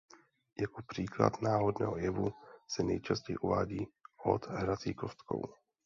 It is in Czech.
Jako příklad náhodného jevu se nejčastěji uvádí hod hrací kostkou.